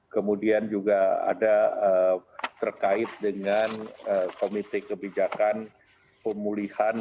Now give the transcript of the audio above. kemudian juga ada terkait dengan komite kebijakan pemulihan